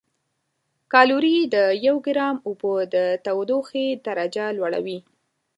کالوري د یو ګرام اوبو د تودوخې درجه لوړوي.